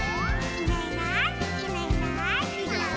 「いないいないいないいない」